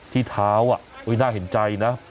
ที่เท้าน่าเห็นใจนะ